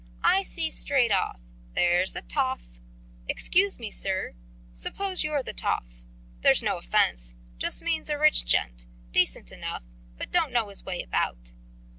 "I see straight off there's a toff... Excuse me, sir. Suppose you're the toff. There's no offence just means a rich gent, decent enough, but don't know his way about.